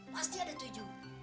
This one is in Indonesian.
pasti ada tujuh